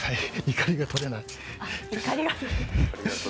怒りが取れない。